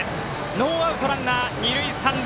ノーアウト、ランナー、二塁三塁。